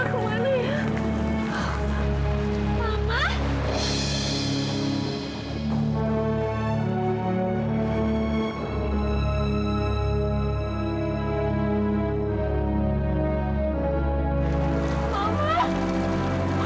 terima kasih banyak